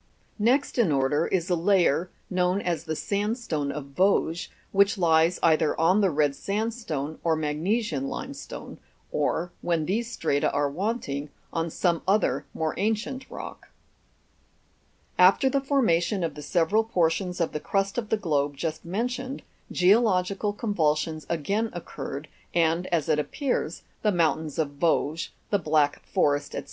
Next in order is a layer, known as the sandstone of Vosges, which lies either on the red sandstone or magnesian limestone ; or, when these strata are wanting, on some other more ancient rock. After the formation of the several portions of the crust of the globe just mentioned, geological convulsions again occurred, and, as it appears, the mountains of Vosges, the Black Forest, &c.